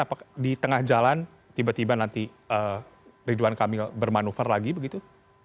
apakah di tengah jalan tiba tiba nanti ridwan kamil bermanuver lagi begitu